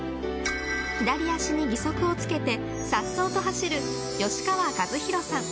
左足に義足をつけて颯爽と走る、吉川和博さん。